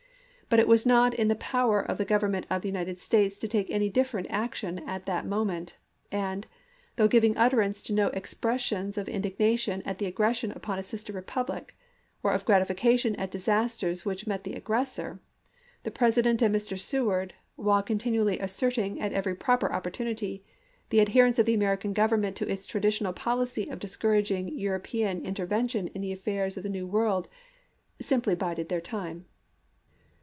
But it was not in the power of the Government of the United States to take any different action at that moment, and, though giving utterance to no expressions of indig nation at the aggression upon a sister republic or of gratification at disasters which met the aggressor, the President and Mr. Seward, while continually asserting, at every proper opportunity, the adher ence of the American Grovernment to its traditional policy of discouraging European intervention in the affairs of the New World, simply bided their time.